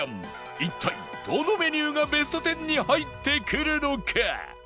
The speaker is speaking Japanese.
一体どのメニューがベスト１０に入ってくるのか！？